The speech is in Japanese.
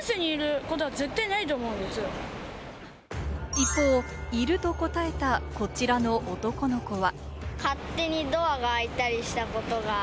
一方、いると答えたこちらの男の子は。